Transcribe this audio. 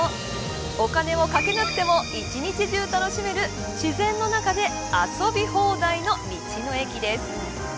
お金をかけなくても一日中、楽しめる自然の中で遊び放題の道の駅です。